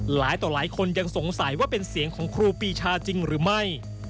หลายคนยังสงสัยว่าเป็นเสียงของครูปีชาจริงหรือไม่